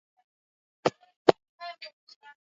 Magumu sio kufisha tu